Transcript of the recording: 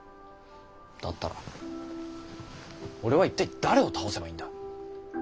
だったら俺は一体誰を倒せばいいんだ？